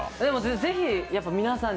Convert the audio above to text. ぜひ皆さんに。